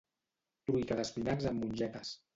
Truita d'espinacs amb mongetes